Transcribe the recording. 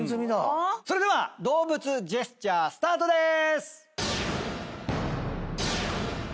それでは動物ジェスチャースタートです！